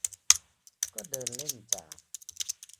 ก็เดินเล่นจาก